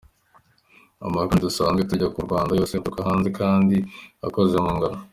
Amakaroni dusanzwe turya mu Rwanda yose aturuka hanze kandi akoze mu ngano.